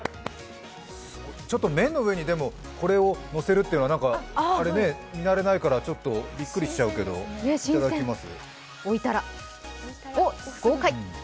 ちょっと麺の上にこれをのせるというのがなんか、あれね、見慣れないからびっくりしちゃうけどいただきます。